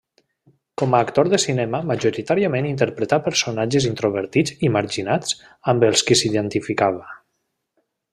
Com a actor de cinema majoritàriament interpretà personatges introvertits i marginats amb els qui s'identificava.